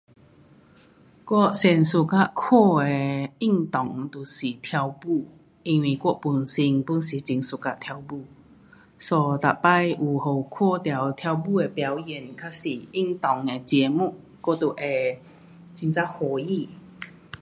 我最 suka 看的运动就是跳舞，因为我本身 pun 是很 suka 跳舞。so, 每次有看到跳舞的表演还是运动的节目我就会很的欢喜。